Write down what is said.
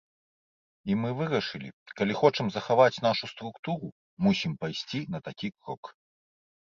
І мы вырашылі, калі хочам захаваць нашу структуру, мусім пайсці на такі крок.